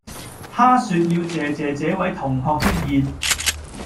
他說要謝謝這位同學的熱